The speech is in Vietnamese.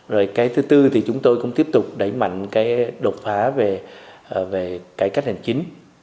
rồi cái thứ tư thì chúng tôi cũng tiếp tục đẩy mạnh cái đột phá về cải cách hành chính